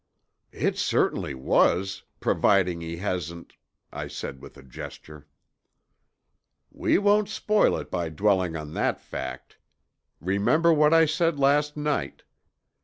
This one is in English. "It certainly was, providing he hasn't " I said with a gesture. "We won't spoil it by dwelling on that fact. Remember what I said last night.